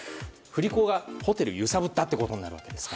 振り子がホテルを揺さぶったということなんです。